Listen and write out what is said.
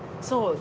そう。